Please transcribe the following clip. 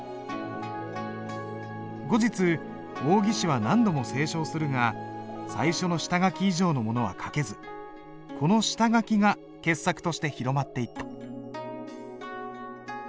後日王羲之は何度も清書をするが最初の下書き以上のものは書けずこの下書きが傑作として広まっていった。